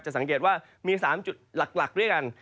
สังเกตว่ามี๓จุดหลักด้วยกัน